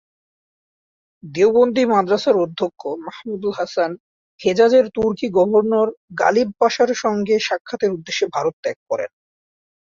দেওবন্দী মাদ্রাসার অধ্যক্ষ মাহমুদুল হাসান, হেজাজের তুর্কী গভর্নর গালিব পাশার সঙ্গে সাক্ষাতের উদ্দেশ্যে ভারত ত্যাগ করেন।